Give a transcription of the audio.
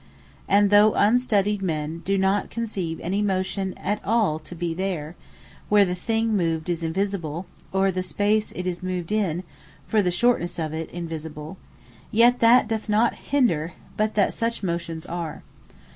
And although unstudied men, doe not conceive any motion at all to be there, where the thing moved is invisible; or the space it is moved in, is (for the shortnesse of it) insensible; yet that doth not hinder, but that such Motions are.